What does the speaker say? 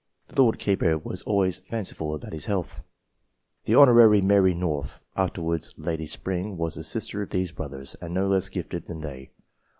The Lord Keeper was always fanciful about his health. The Hon. Mary North, afterwards Lady Spring, was the sister of these brothers, and no less gifted than they.